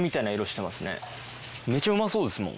めっちゃうまそうですもん。